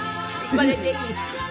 これでいい。